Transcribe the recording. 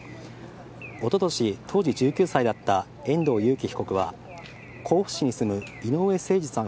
おととし、当時１９歳だった遠藤裕喜被告は甲府市に住む井上盛司さん